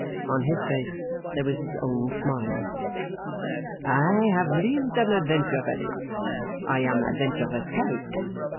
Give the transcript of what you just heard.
On his face there was his own smile. 'I have lived an adventurous life. I am an adventurous character.